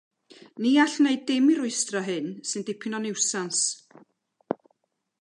Ni all wneud dim i rwystro hyn, sy'n dipyn o niwsans.